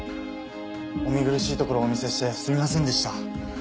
お見苦しいところをお見せしてすみませんでした。